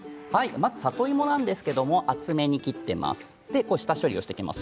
まず里芋ですが厚めに切っています。